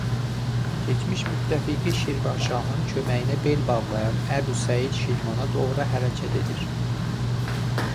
Keçmiş müttəfiqi şirvanşahın köməyinə bel bağlayan Əbu Səid Şirvana doğru hərəkət edir.